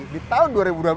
di tahun dua ribu dua belas